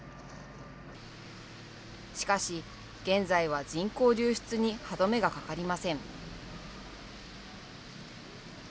しかし、現在は人口流出に歯止めがかかりません。